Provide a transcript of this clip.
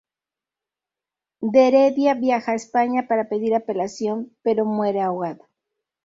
De Heredia viaja a España para pedir apelación pero muere ahogado.